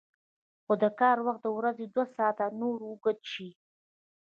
خو د کار وخت د ورځې دوه ساعته نور اوږد شي